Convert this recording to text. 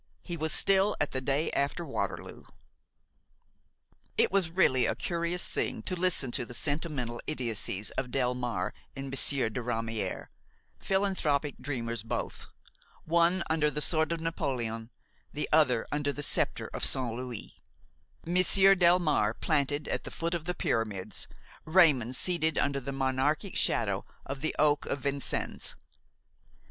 He was still at the day after Waterloo. It was really a curious thing to listen to the sentimental idiocies of Delmare and Monsieur de Ramière, philanthropic dreamers both, one under the sword of Napoléon, the other under the sceptre of Saint Louis; Monsieur Delmare planted at the foot of the Pyramids, Raymon seated under the monarchic shadow of the oak of Vincennes.